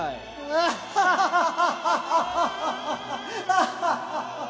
アハハハハ！